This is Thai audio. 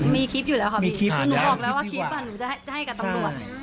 มีคลิปอยู่แล้วค่ะพี่คือหนูบอกแล้วว่าคลิปหนูจะให้กับตำรวจ